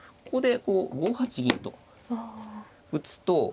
ここで５八銀と打つと。